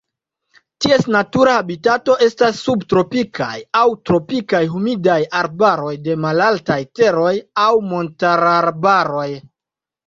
Ties natura habitato estas subtropikaj aŭ tropikaj humidaj arbaroj de malaltaj teroj aŭ montararbaroj.